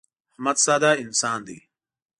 احمد ساده انسان دی.